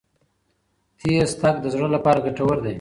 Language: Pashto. تېز تګ د زړه لپاره ګټور دی.